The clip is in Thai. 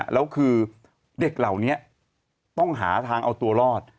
แล้วคือเด็กเหล่านี้ต้องหาทางเอาตัวรอด